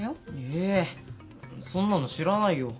えそんなの知らないよ。